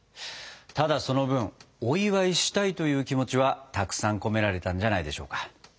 ただその分お祝いしたいという気持ちはたくさん込められたんじゃないでしょうか。